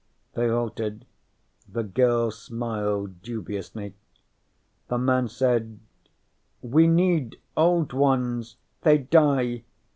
They halted. The girl smiled dubiously. The man said: "We need old ones. They die.